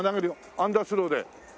アンダースロー。